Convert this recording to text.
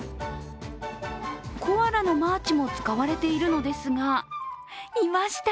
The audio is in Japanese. コアラのマーチも使われているのですがいました！